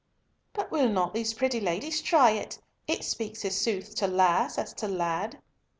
"But will not these pretty ladies try it? It speaks as sooth to lass as to lad."